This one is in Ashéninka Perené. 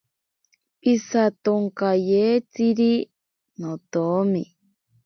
Isatonkayetziri notomi.